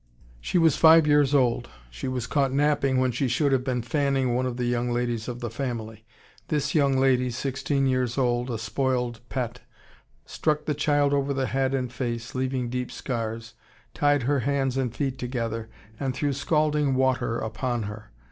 She was five years old. She was caught napping when she should have been fanning one of the young ladies of the family. This young lady, sixteen years old, a spoiled pet, struck the child over the head and face, leaving deep scars, tied her hands and feet together, and threw scalding water upon her.